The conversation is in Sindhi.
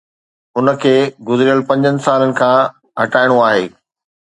ان کي گذريل پنجن سالن کان هٽائڻو آهي